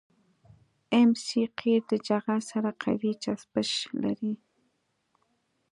ام سي قیر د جغل سره قوي چسپش لري